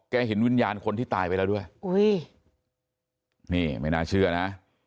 เห็นวิญญาณคนที่ตายไปแล้วด้วยอุ้ยนี่ไม่น่าเชื่อนะ